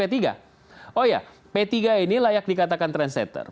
oh iya p tiga ini layak dikatakan trendsetter